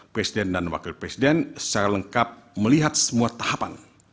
presiden dan wakil presiden secara lengkap melihat semua tahapan